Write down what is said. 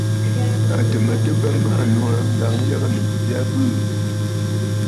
À tɨ̀ mə tɨ bə maa nòò aa, ŋ̀gǎŋyəgə̂nnù ji jya ɨ bɨɨ̀.